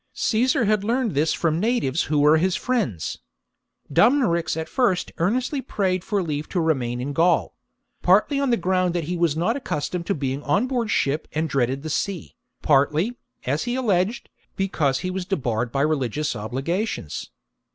Caesar had . learned this from natives who were . his friends. ' Dumnorix at first earnestly prayed for leave to remain in Gaul ; partly on the ground that he was not accustomed to being on board ship and dreaded the sea, partly, as he alleged, because he was debarred by religious obligations.